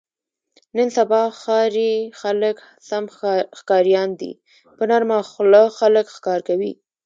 نن سبا ښاري خلک سم ښکاریان دي. په نرمه خوله خلک ښکار کوي.